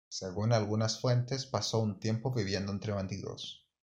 Según algunas fuentes, pasó un tiempo viviendo entre bandidos.